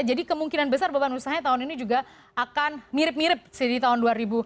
jadi kemungkinan besar beban usahanya tahun ini juga akan mirip mirip di tahun dua ribu enam belas